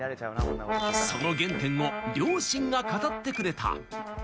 その原点の両親が語ってくれた。